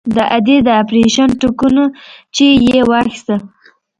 د ادې د اپرېشن ټکونه چې يې واخيستل.